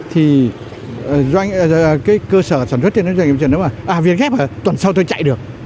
thì cơ sở sản xuất trên đó việt gap hả tuần sau tôi chạy được